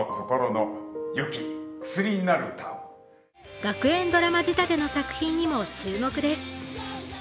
学園ドラマ仕立ての作品にも注目です。